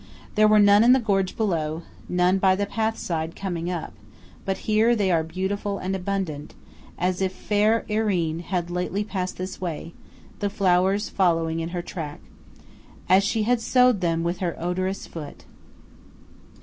There were none in the gorge below; none by the path side coming up; but here they are beautiful and abundant, as if fair Earine had lately passed this way, the flowers following in her track:– "As she had sow'd them with her odorous foot!"